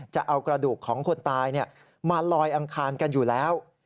จะเอากระดูกของคนตายมาลอยอังคารกันอยู่แล้ว